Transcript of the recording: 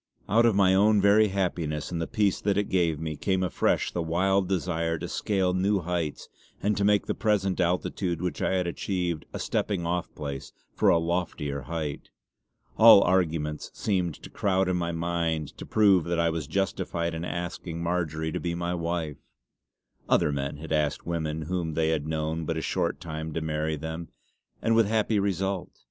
Out of my own very happiness and the peace that it gave me, came afresh the wild desire to scale new heights and to make the present altitude which I had achieved a stepping off place for a loftier height. All arguments seemed to crowd in my mind to prove that I was justified in asking Marjory to be my wife. Other men had asked women whom they had known but a short time to marry them; and with happy result.